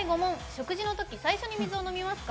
食事のとき最初に水を飲みますか？